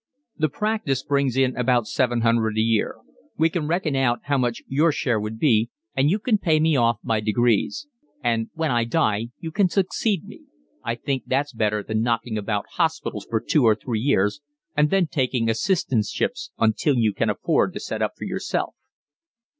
"The practice brings in about seven hundred a year. We can reckon out how much your share would be worth, and you can pay me off by degrees. And when I die you can succeed me. I think that's better than knocking about hospitals for two or three years, and then taking assistantships until you can afford to set up for yourself."